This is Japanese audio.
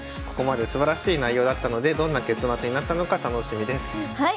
ここまですばらしい内容だったのでどんな結末になったのか楽しみです。